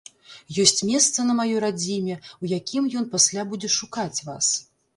Ёсць месца на маёй радзіме, у якім ён пасля будзе шукаць вас.